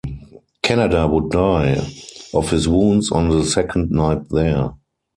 Canada would die of his wounds on the second night there.